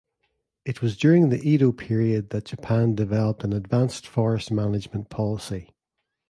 It was during the Edo period that Japan developed an advanced forest management policy.